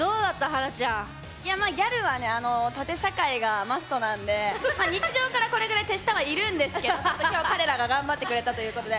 華ちゃん。いやまあギャルはね縦社会がマストなんで日常からこれぐらい手下はいるんですけど今日彼らが頑張ってくれたということで。